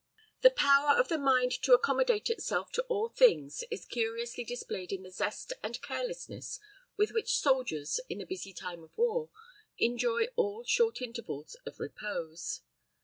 The power of the mind to accommodate itself to all things is curiously displayed in the zest and carelessness with which soldiers, in the busy time of war, enjoy all short intervals of repose.